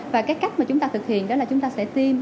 và cái cách mà chúng ta thực hiện đó là chúng ta sẽ tiêm